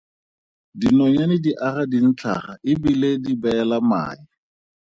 Dinonyane di aga dintlhaga e bile di beela mae.